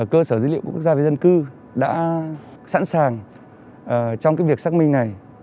cơ sở dữ liệu quốc gia về dân cư đã sẵn sàng trong việc xác minh này